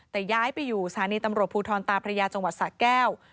แต่ย้ายไปอยู่สถานีตำรวจภูทรตาพระยาจังหวัดสะแก้ว